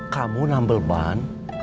kamu nambel ban